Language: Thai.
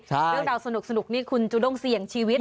เรื่องราวสนุกนี่คุณจูด้งเสี่ยงชีวิต